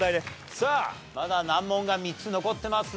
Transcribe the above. さあまだ難問が３つ残ってますんでね